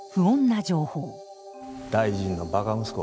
大臣のばか息子